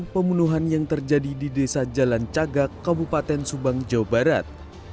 pembunuhan yang terjadi di desa jalan cagak kabupaten subang jawa barat